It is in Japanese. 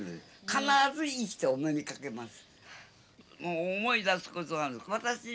必ず生きてお目にかけます。